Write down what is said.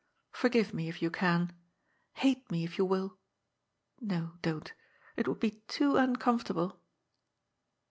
Forgive me, if you can. Hate me, if you will. No, don't, it would be too uncomfortable."